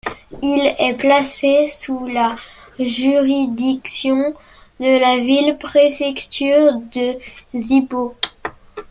Il est placé sous la juridiction de la ville-préfecture de Zibo.